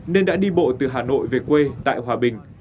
nên đã đi bộ từ hà nội về quê tại hòa bình